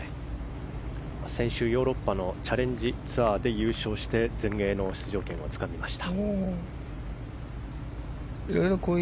先週、ヨーロッパのチャレンジツアーで優勝して全英の出場権をつかみました。